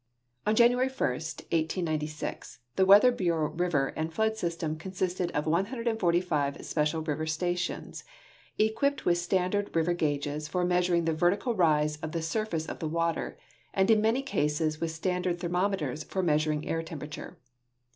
On January 1, 181)6, theAVeather Bureau river and flood system consisted of 145 sj^ecial river stations, equipped with standard river gauges for measuring the vertical rise of the surface of the Avater, and in man}' cases with standard thermometers for meas uring air temperature.